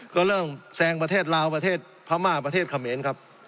ก็เริ่มแซงประเทศลาวประเทศพม่าประเทศเขมรครับ